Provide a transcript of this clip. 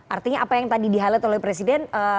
artinya apa yang tadi di highlight oleh presiden